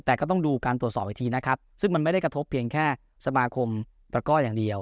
แต่ก็ต้องดูการตรวจสอบอีกทีนะครับซึ่งมันไม่ได้กระทบเพียงแค่สมาคมตระก้ออย่างเดียว